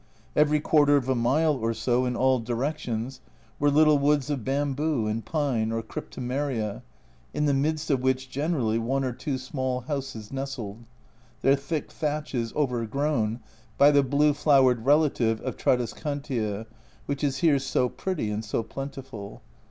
Every quarter of a mile or so in all A Journal from Japan 37 directions were little woods of bamboo and pine or cryptomeria, in the midst of which generally one or two small houses nestled, their thick thatches over grown by the blue flowered relative of tradescantia, which is here so pretty and so plentiful.